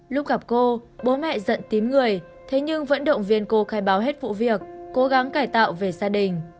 lúc gặp cô bố mẹ dẫn người thế nhưng vẫn động viên cô khai báo hết vụ việc cố gắng cải tạo về gia đình